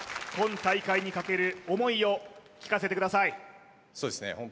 今大会に懸ける思いを聞かせてくださいそうですね